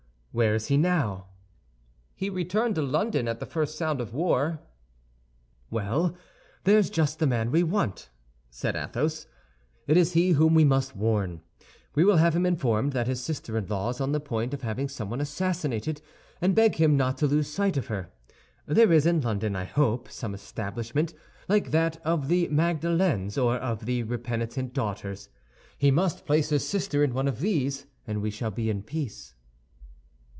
"Where is he now?" "He returned to London at the first sound of war." "Well, there's just the man we want," said Athos. "It is he whom we must warn. We will have him informed that his sister in law is on the point of having someone assassinated, and beg him not to lose sight of her. There is in London, I hope, some establishment like that of the Magdalens, or of the Repentant Daughters. He must place his sister in one of these, and we shall be in peace."